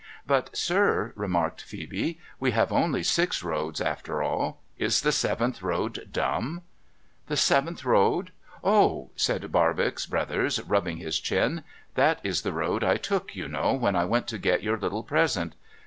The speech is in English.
' But, sir,' remarked Phcebe, ' we have only six roads after all. Is the seventh road dumb ?'' The seventh road ? Oh !' said Barbox Brothers, rubbing his chin. ' That is the road I took, you know, when I went to get your little present.